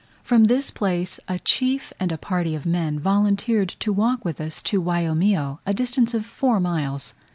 From this place a chief and a party of men volunteered to walk with us to Waiomio, a distance of four miles.